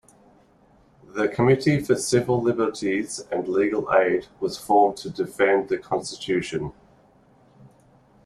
The Committee for Civil Liberties and Legal Aid was formed to defend the constitution.